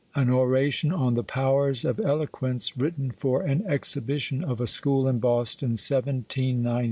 An Oration on the Powers of Eloquence, writ ten FOR an Exhibition of a School in Boston*, 1794.